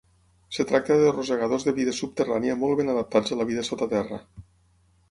Es tracta de rosegadors de vida subterrània molt ben adaptats a la vida sota terra.